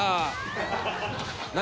何？